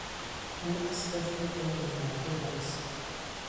او اسب خود را به نرده بست.